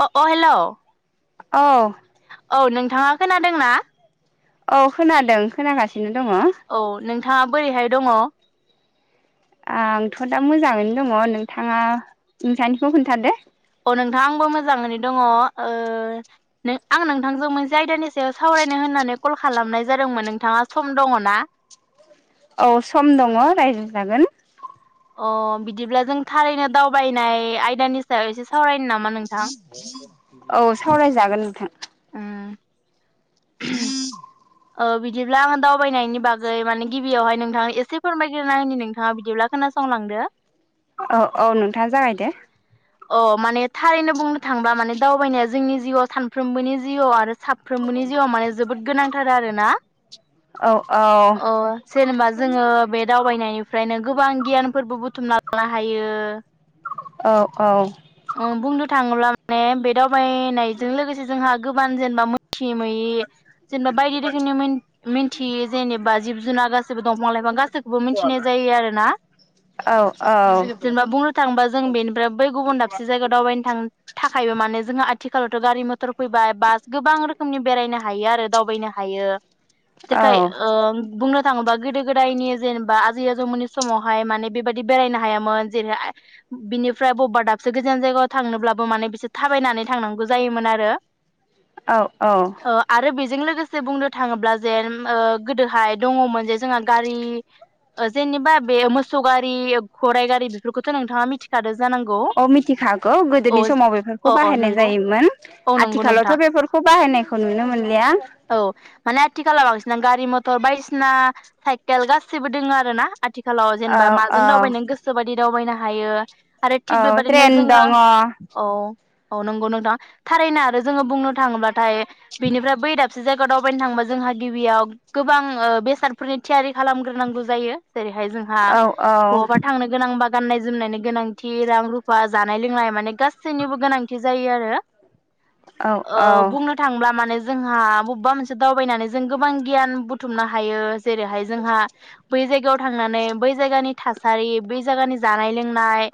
अ अ हेलौ औ औ नोंथाङा खोनादोंना? औ खोनादों खोनागासि औ नोंथाङा बोरैहाय दङ' आंथ' दा मोजाङैनो दङ' नोंथाङा नोथांनिखौ खोन्थादो औ नोंथां आंबो मोजाङैनो दङ' ओ आं नोंथांजों मोनसे आयदानि सायाव सावरायनो होननानै कल खालामनाय जादोंमोन नोंथाङा सम दङ' ना? औ सम दङ' रायजो जागोन अ बिदिब्ला जों थारैनो दावबायनाय आयदानि सायाव एसे सावरायनो नामा नोंथां औ सावरायजागोन नोंथां उम [inaudible] ओ बिदिब्ला आं दावबायनायनि बागै माने गिबियावहाय नोंथाङा एसे फोरमायग्रोना होनि नोंथाङा बिदिब्ला खोनासंलांदो औ औ नोंथाङा जागायदो अ माने थारैनो बुंनो थांबा माने दावबायनाया जोंनि जिउआव सानफ्रोमबोनि जिउआव आरो साफ्रोमबोनि जिउआव माने जोबोद गोनां थार आरोना औ औ अ जेनेबा जोङो बे दावबायनायनिफ्रायनो गोबां गियानफोरबो बुथुमना लानो हायो औ औ बुंनो थाङोब्ला माने बे दावबायनायजों लोगोसे जोंहा गोबान जेनेबा मोनथि मोयि जेनेबा बायदि रोखोमनि मोन मिनथियि जेनेबा जिब जुनार गासिबो दंफां लाइफां गासिखौबो मिथिनाय जायो आरो ना औ जेनेबा बुंनो थाङोबा जों बेनिफ्राय बै गुबुन दाबसे जायगा दावबायनो थां हायो माने जोंहा आथिखालावथ' गारि मटर फैबाय बास गोबांरो- फुंनि बेरायनो हायो आरो दावबायनो हायो। औ [unintelligible] ओ बुंनो थाङोबा गोदो गोदायनि जेनेबा आजै आजौमोननि समावहाय माने बेबायदि बेरायनो हायामोन जेरैय बिनिफ्राय बबेबा दाबसे गोजान जायगायाव थांनोब्लाबो माने बिसोर थाबायनानै थांनांगौ जायोमोन आरो औ औ जों लोगोसे बुंनो थाङोब्ला जे ओ गोदोहाय दङमोन जे जोंहा गारि जेनेबा बे मोसौ गारि गराइ गारि बेफोरखौथ नोंथाङा मिथिखादों अ मिथिखागौ गोदोनि समाव बेफोरखौ अ अ बाहायनाय नंगौ जायोमोन औ नंगौ नोंथां आथिखालावथ' बेफोरखौ बाहा- हायनायखौ नुनो मोनलिया औ माने आथिखालाव बांसिना गारि मथर बायदिसिना साइकेल गासिबो दोङो आरो ना आथिखालाव औ जेनेबा माजों दावबाय नों औ गोसोबादि दावबायनो हायो आरो थिग औ बेबादिनो ट्रेन जोङो दङ औ औ अ नंगौ नोंथां थारैनो आरो जोङो बुंनो थाङोबा नाथाय बिनिफ्राय बै दाबसे जायगायाव दावबायनो थांबा जोंहा गिबियाव गोबां ओ बेसादफोरनि थियारि खालामगोरनांगौ जायो जेरैहाय जोंहा औ औ बहाबा थांनो गोनां बा गाननाय जोमनायनि गोनांथि रां रुफा जानाय लोंनाय माने गासैनिबो गोनांथि जायो आरो औ ओ औ बुंनो थांब्ला माने जोंहा मबबा मोनसे दावबायनानै जों गोबां गियान बुथुमनो हायो जेरैहाय जोंहा बै जाय याव थांनानै बै जायगानि थासारि बै जायगानि जानाय लोंनाय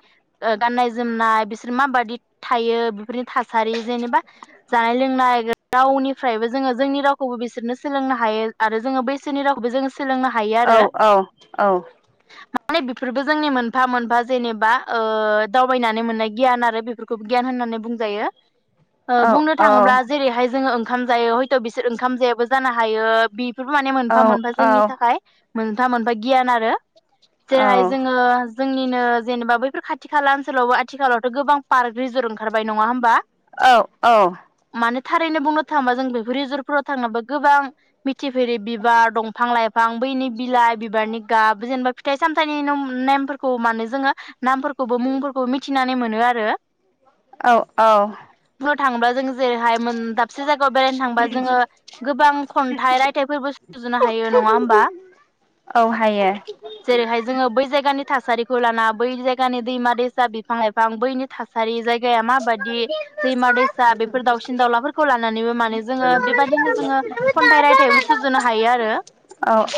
ओ गाननाय जोमनाय बिसोर माबादि थायो बेफोरनि थासारि जेनेबा जानाय लों नाय रावनिफ्रायबो जोङो जोंनि रावखौबो बिसोरनो सोलोंनो हायो आरो जोङो बैसोनि रावखौबो जों औ औ औ माने बेफोरबो जोंनि मोनफा मोनफा जेनेबा ओ दावबायनानै मोननाय गियान आरो बेफोरखौ गियान होननानै बुंजायो ओ औ बुंनो थाङोब्ला औ बेहाय जोङो ओंखाम जायो हयथ बिसोर ओंखाम जायाबो जानो हायो बि बिफोरबो माने मोनफा औ मोनफा जोंनि औ थाखाय मोनफा मोनफा गियान आरो जेरैहाय जोङो जोंनिनो जेनेबा बै फोर खाथि खाला ओनसोलावबो आथिखालावथ गोबां पार्क रिजर ओंखारबाय नङा होमबा औ औ मानो थारैनो बुंनो थांबा जों बेफोर रिजरफोराव थांनोबा गोबां मि थिभेरि बिबार दंफां लाइफ बां बैनि बिलाइ बिबारनि गाब जेनेबा फिथाइ सामथाइनि नम नेमफोरखौ मानो जोङो नामफोरखौबो मुंफोरखौ मिथिनानै मोनो आरो। औ औ। थांबा जोंजो जेरैहाय मोन दाबसे जायगायाव बेरायनो थांबा जोङो गोबां खन्थाइ रायथाइफोरबो सुजुनो हायो नङा होमबा हायो जेरैहाय जोङो बै जायगानि थासारिखौ लाना बै जायगानि दैमा दैसा बिफां लाइफां बैनि थासारि जाय गाया माबायदि दैमा दैसा बे [unintelligible] औ बेबादिनो जोङो खन्थाइ रायथाइबो सुजुनो हायो आरो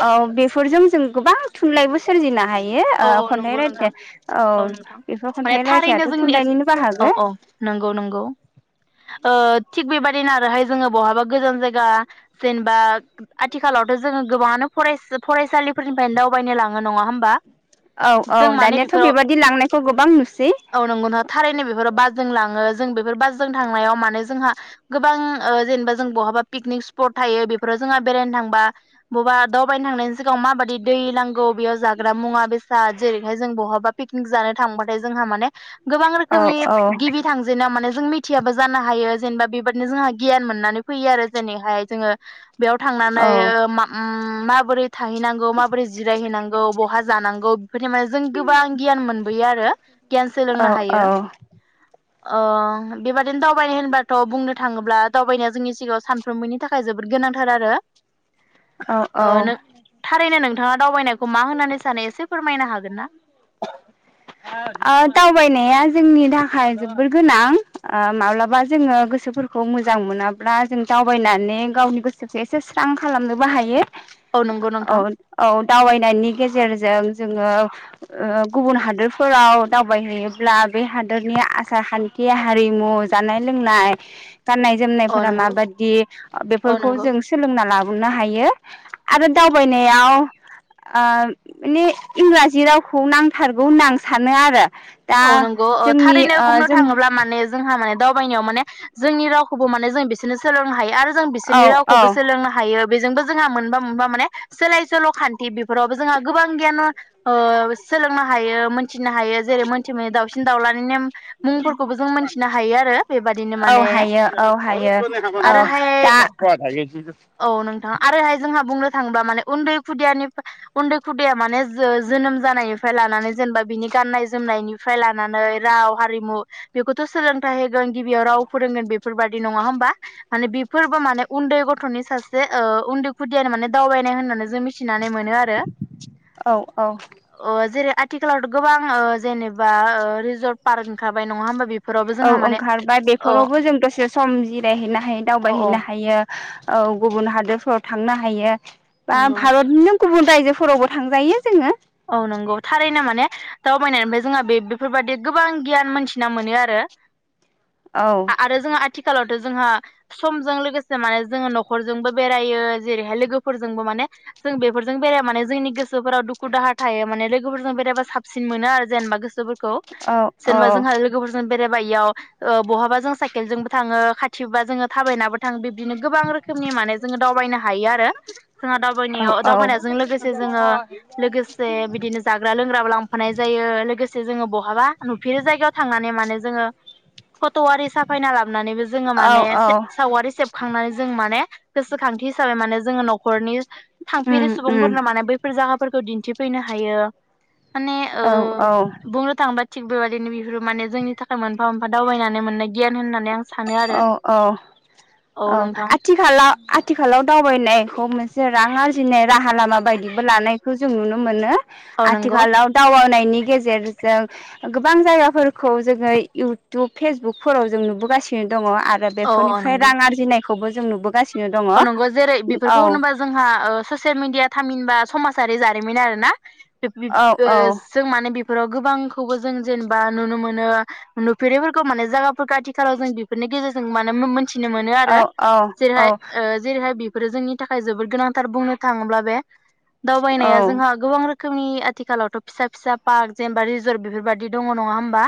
औ बेफोरजों जों गोबां थुनलाइबो सु सोरजिनो हाय बेयो औ ओ औ खन्थाइ नंगौ नोंथां रायथाइ औ बेफोर खन्थाइ रायथायाथ थुनलाइनिनो बाहागो। नोंगौ नोंगौ। ओ थिग बेबादिनो आरोहाय जोङो बहाबा गोजान जायगा जेनबा आथिखालावथ जोङो गोबाङानो फरायस फरायसालिफोरनिफ्रायनो दावबायनो लाङो नङा होमबा। औ औ जों माने दानियाथ' बिफोराव बेबादि लांनायखौ गोबां नुसै औ नंगौ ना थारैनो बेफोराव बासजों लाङो। जों बेफोर बास जों थांनायाव माने जोंहा गोबां ओ जेनेबा जों बहाबा पिकनिक स्पट थायो बेफोराव जोंहा बेरायनो थांबा बबा दावबायनो थांनायनि सिगाङाव माबादि दै नांगौ बेयाव जाग्रा मुवा बे साल जेरैहाय जों बहाबा पिकनिक जानो थांबाथाय जोंहा मानेह गोबां औ रोखोमनि औ गिबि थांजेनोआ माने जों मिथियाबो जानो हायो जेनेबा बेबादिनो जोंहा गियान मोननानै फैयो आरो जेनैहाय जोङो बेयाव थांनानै ओ माम ओम माबोरै थाहैनांगौ माबोरै जिरायहैनांगौ बहा जानांगौ फोथाय माने जों गोबां गियान मोनबोयो आरो गियान सोलोंनो हायो। अह बेबादिनो दावबायनाय होनबाथ बुंनो थाङोब्ला दावबायनाया जोंनि सिगाङाव सानफ्रोमबोनि थाखाय जोबोद गोनांथार आरो। औ औ ओ नों थारैनो नों नोंथाङा दावबायनायखौ मा होननानै सानो एसे फोरमायनो हागोन ना? ओ दावबायनाया जोंनि थाखाय जोबोर गोनां ओ माब्लाबा जोङो गोसोफोरखौ मोजां मोनाब्ला जों दावबायनानै गावनि गोसोखौ एसे स्रां खालामनोबो हायो। औ नंगौ औ नोंथां औ। दावबायनायनि गेजेरजों जोङो ओ गुबुन हादोरफोराव दावबायहैयोब्ला बे हादोरनि आसार खान्थि हारिमु जानाय लोंनाय गाननाय औ जोमनायफोरा नंगौ माबायदि औ बेफोरखौ नंगौ जों सोलोंना लाबो हमनो हायो आरो दावबायनायाव ओ माने इंराजि राव खौ नांथारगौ होनना आं सानो आरो। दा औ नंगौ जोंनि थारैनो ओ बुंनो जों थाङोब्ला माने जोंहा माने दावबायनायाव माने जोंनि रावखौबो माने जों बिसोरनो सोलोंनो हायो आरो जों बिसोरनि औ औ रावखौबो सोलोंनो हायो। बेजोंबो जोंहा मोनफा मोनफा माने सोलाय सोल' खान्थि बेफोरावबो जोंहा गोबां गियान ओ सोलोंनो हायो थिनो हायो जेरै मोन दाउसिन दाउलानि नेम मुंफोरखौबो जों मोनथिनो हायो आरो बेबादिनो औ माने हायो औ हायो औ आरोहाय दा औ नोंथां आरोहाय जोंहा बुंनो थांबा माने उन्दै खुदियानिफा उन्दै खुदिया माने जो-जोनोम जानायनिफ्राय लानानै जेनेबा बिनि गाननाय जोमनायनि फ्राय लानानै राव हारिमु बेखौथ' सोलोंथाइ होगोन गिबियाव राव फोरोंगोन बेफोरबादि नङा होमबा माने बेफोरबो माने उन्दै गथ'नि सासे उन्दै खुदियानो माने दावबायनाय होननानै जों मिथिना नै मोनो आरो औ औ अह जेरै आतिखालावत' गोबां ओ जेनेब बा ओ रिजर्ट पार्क ओंखारबाय नङा होमबा बि औ ओंखारबाय बेफोरावबो जों दसे सम जिरायहैनो हायो, अ अ दावबायहैनो हायो। औ गुबुन हादोरफोराव थांनो हायो। बा नंगौ भारतनिनो गुबुन रायजोफोरावबो थांजायो जोङो। औ नंगौ थारैनो माने दावबायनायनिफाय जोंहा बे बे बेफोरबादि गोबां गियान मोनथिना मोनो आरो। औ आ-आरो जोंहा आथि थिखालावथ' जोंहा समजों लोगोसे माने जोङो न'खरजोंबो बेरायो जेरैहाय लोगोफोरजोंबो माने जों बेफोरजों बेरायबा माने जोंनि गोसोफोराव दुखु खु दाहा थायो माने लोगोफोरजों बेरायबा साबसिन मोनो आरो जेनेबा गोसोफोर खौ औ औ जेनेबा जोंहा लोगोफोरजों बेरायबा इयाव। बहाबा जों साइकेलजोंबो थाङो खाथिबा जोङो थाबायनाबो थाङो। बिदिनो गोबां रोखोमनि माने जोङो दावबायनो हायो आरो जोंहा दावबायनायाव औ दावबायनायजों लोगोसे जोङो लोगोसे बिदिनो जाग्रा लोंग्राबो लांफानाय जायो लोगो जे जोङो बहाबा नुफेरै जायगायाव थांनानै माने जोङो फट' आरि साफायना ला नुनानैबो जोङो औ माने औ औ से सावगारि सेबखांनानै जों माने गोसोखांथि हिसाबै माने जोङो न'खरनि उम थांफेरै उम सुबुंफोरनो माने बैफोर जागा फोरखौ दिन्थिफैनो हायो। माने ओ औ औ बुंनो थांबा थिग बेबादिनो बिफोरो माने जोंनि थाखाय मोनफा मोनफा दावबायनानै मोननाय गियान होनना औ औ औ आथिखालाव आथ थिखालाव दावबायनाय खौ मोनसे रां आरजिनाय राहा लामा बायदिबो लानाय खौ जों नुनो मोनो। औ नंगौ आथिखालाव दावगानायनि गेजेरजों गोबां जायगाफोरखौ जोङो इउटुब फेसबुकफोराव जों नुबोगासिनो। दङ आरो औ औ बेफोरनिफ्राय नंगौ रां आरजिनाय। खौबो जों नुबोसिनो। नंगौ जेरै बेफोरखौ होनोबा जोंहा ससियेल मिडिया थामिनबा समाजारि जारिमिन आरो ना। औ औ जों माने [inaudible] फोराव गोबांखौबो जों जेनेबा नुनो मोनो नुफेरैफोरखौ माने जायगाफोरखौ आथिखालाव जों बेफोरनि गेजेरजों मोनथि औ औ औ। ओ जेरैहाय बि फोरो जोंनि थाखाय जोबोद गोनांथार बुंनो थाङोब्ला बे औ दावबायनाया जोंहा गोबां रोखो खोमनि आथिखालावथ फिसा फिसा पार्क जेनेबा रिजर्ट बेफोरबदि दङ नङा होमबा?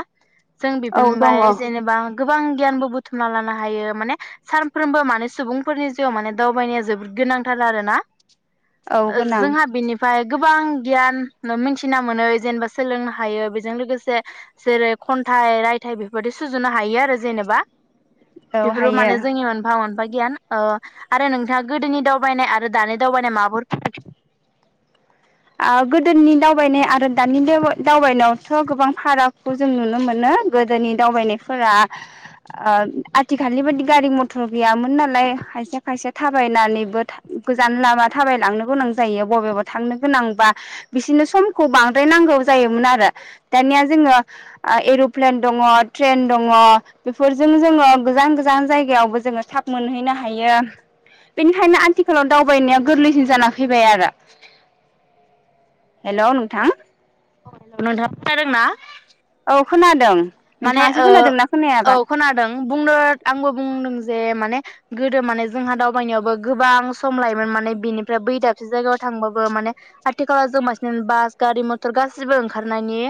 जों औ दङ बिफोनबाय जेनेबा गोबां गियानबो बुथुमना लानो हायो। माने सानफ्रोमबो माने सुबुं फोरनि जिउआव माने दावबायनाया जोबोद गोनांथार आरोना औ गोनां जोंहा बेनिफ्राय गोबां गियान मिथिना मोनो जेनेबा सोलोंनो हायो बेजों लोगोसे जेरै खन्थाइ, रायथाइ बेबायदि सुजुनो हायो आरो जेनेबा औ बेफोरो हायो माने जोंनि मोनफा मोनफा। बगियान अ आरो नोंथाङा गोदोनि दावबायनाय आरो दानि दावबायनाय माबाफोर फा ओ गोदोनि दावबायनाय आरो दानि दावबायनायावथ गोबां फारागखौ जों नुनो मोनो गोदोनि दावबायनायफोरा ओ आथिखालनि बादि गारि मथर गैयामोन नालाय खायसे खायसे थाबायनानैबो गोजान लामा थाबायलांनो गोनां जायो बबेबा थांनो। गोनांबा बिसोरनो समखौ बांद्राय नांगौ जायोमोन आरो दानिया जोङो एरप्लेन दङ ट्रेन दङ बेफोरजों जोङो गोजान गोजान जायगायावबो जोङो थाब मोनहैनो हायो बेनिखायनो आथिखालाव दावबायनाया गोरलैसिन जाना फैबाय आरो। हेलौ नोंथां। नोंथाङा खोनादोंना औ खोनादों। माने नोंथाङासो ओ खोनादोंना औ खोनायाबा खोनादों बुंनो आंबो बुंदों। जे माने गोदो माने जोंहा दावबायनायावबो गोबां सम लायोमोन माने बिनिफ्राय बै दाबसे जायगायाव थांबाबो माने आथिखालाव जों बासिन बास गारि मथर गाससिबो ओंखारनायनि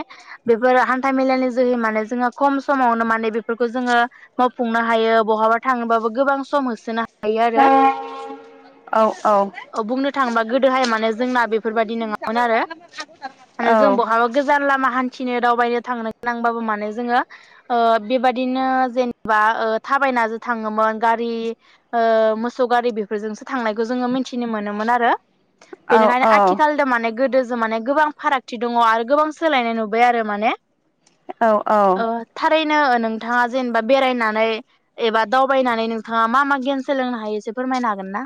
बेफोर हान्था मेलानि जोहै माने जोङो खम समावनो माने बेफोरखौ जोङो मावफुंनो हायो बहाबा थाङोबाबो गोबां सम होसोनो हायो। हायो आरो औ औ औ बुंनो थाङोबा गोदोहाय माने जोंना बेफोरबायदि नङामोन आरो माने जों औ बहाबा गोजान लामा हान्थि थिनो दावबायनो थांनो नांबाबो मानो जोङो ओ बेबादिनो जेनेबा ओ थाबायना जो थाङोमोन गारि ओ मोसौ गारि बेफोरजोंसो थांनायखौ जोङो मिथिनो मोनोमोन आरो। बेनिखायनो आथिखाल औ दा माने गोदो जों माने गोबां फारागथि दङ आरो गोबां सोलायनाय नुबाय आरो माने औ औ बेनो नोंथाङा जेनेबा बेरायनानै एबा दावबायनानै नोंथाङा मा मा गियान सोलोंनो हायो एसे फोरमायनो हागोन ना?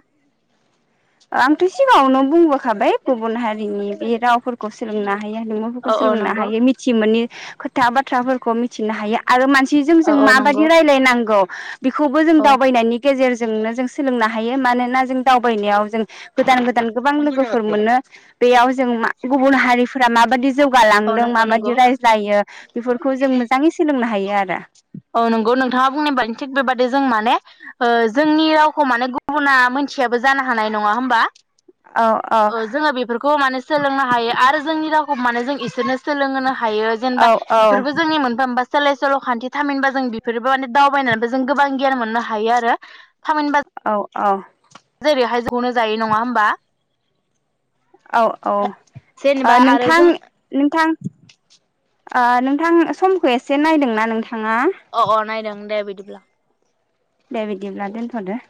आंथ' सिगाङावनो बुंबोखाबाय गुबुन हारिनि बे रावफोरखौ सोलोंना हायो औ महफोरखौ औ सोलोंनो नंगौ हायो मिथिमोनि खो खोथा बाथ्राफोरखौ मिथिनो हायो आरो मानसि थिजों औ जों औ नंगौ माबायदि रायज्लायनांगौ बेखौबो जों औ दावबायनायनि गेजेरजों जोंनो जों सोलोंनो हायो मानोना जों दावबायनायाव जों गोदान गोदान गोबां लोगोफोर मोनो बेयाव जों मा गुबुन हारिफोरा माबायदि औ जौगालांदों नंगौ नंगौ माबायदि रायज्लायो बेफोरखौ जों मोजाङै सोलोंनो हायो बिदि आरो औ नंगौ नोंथाङा बुंनाय बादि थिग बेबादि जों माने ओ जोंनि रावखौ माने गुबुना मिथियाबो जानो हानाय नङा होमबा? औ औ ओ जोङो बेफोरखौ माने सोलोंनो हायो आरो जोंनि राव एखौ मानेजों इसोरनो सोलोहोनो ह हायो जेनेबा औ बेफोरबो जोंनि मोनफा मोनबा स सलखान्थि थामिनबा जों बेफोरबो माने दावबायनानैबो जों गोबां गियान मोननो हायो आरो थामिनबा जो औ औ जेरैहाय जनो जायै नङा होमबा? औ औ ओ जेनेबा आरो नोंथां जों नोंथां ओ नोंथां समखौ एसे नायदोंना नोंथां? अ अ नायदों दे बि बिदिब्ला दे बिदिब्ला दोनथदो